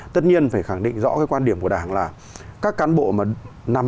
tất nhiên phải khẳng định rõ cái quan điểm của đảng là các cán bộ mà nằm